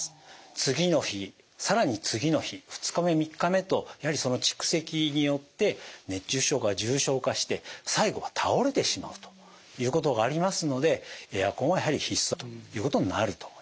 次の日更に次の日２日目３日目とやはりその蓄積によって熱中症が重症化して最後は倒れてしまうということがありますのでエアコンはやはり必須だということになると思います。